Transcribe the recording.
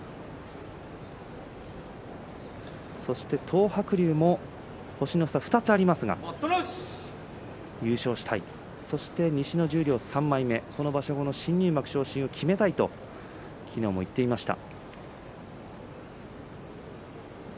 東白龍も星の差２つありますが優勝したい、そして西の十両３枚目でこの場所後の新入幕昇進を決めたいと昨日も言っていました。